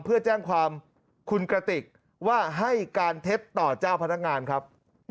เพื่อแจ้งความคุณกระติกว่าให้การเท็จต่อเจ้าพนักงานครับ